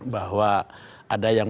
bahwa ada yang